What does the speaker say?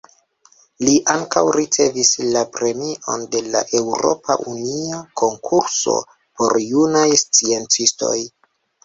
Li ankaŭ ricevis la Premion de la Eŭropa Unia Konkurso por Junaj Sciencistoj.